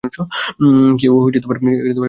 কেউ ওকে খুন করেছে।